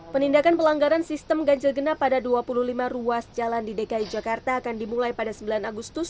penindakan pelanggaran sistem ganjil genap pada dua puluh lima ruas jalan di dki jakarta akan dimulai pada sembilan agustus